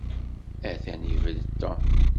Atan ibedd Tom.